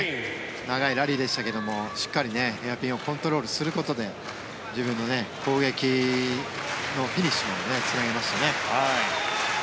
長いラリーでしたけどもしっかりヘアピンをコントロールすることで自分の攻撃のフィニッシュに繋げましたね。